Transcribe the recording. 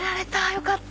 よかった。